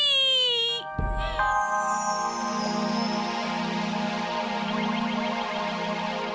sampai jumpa lagi di video selanjutnya